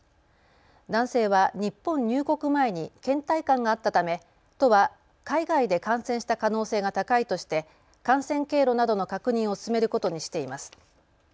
男性は日本入国前にけん怠感があったため都は海外で感染した可能性が高いとして感染経路などの確認を進めることにしています。